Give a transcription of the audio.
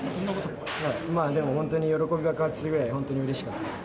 まあでも本当に喜びが爆発するぐらい、本当にうれしかったです。